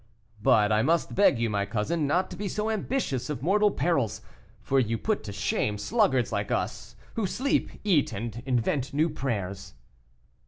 "But I must beg you, my cousin, not to be so ambitious of mortal perils, for you put to shame sluggards like us, who sleep, eat, and invent new prayers."